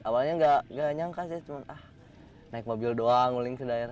awalnya gak nyangka sih cuma naik mobil doang muling ke daerah